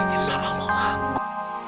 insya allah laku